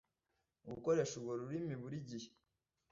gukoresha urwo rurimi burigihe